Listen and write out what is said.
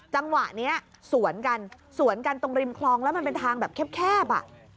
จังหวะนี้สวนกันสวนกันตรงริมคลองแล้วมันเป็นทางแบบแคบอ่ะ